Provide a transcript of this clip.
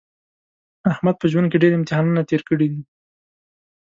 احمد په ژوند کې ډېر امتحانونه تېر کړي دي.